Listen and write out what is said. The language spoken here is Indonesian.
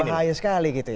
berbahaya sekali gitu ya